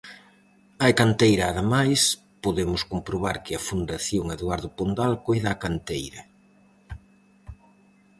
Hai canteira ademais, podemos comprobar que a Fundación Eduardo Pondal coida a canteira.